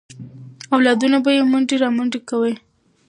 اولادونه به یې منډې رامنډې کوي.